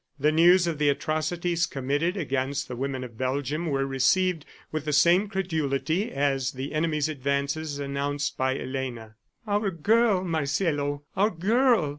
The news of the atrocities committed against the women of Belgium were received with the same credulity as the enemy's advances announced by Elena. "Our girl, Marcelo. ... Our girl!"